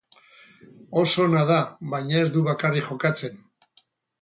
Oso ona da, baina ez du bakarrik jokatzen.